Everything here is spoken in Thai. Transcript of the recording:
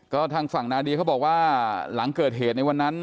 ก็ทางฝั่งนาเดียเขาบอกว่าหลังเกิดเหตุในวันนั้น